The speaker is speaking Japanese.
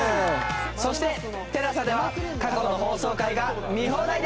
そしてＴＥＬＡＳＡでは過去の放送回が見放題です！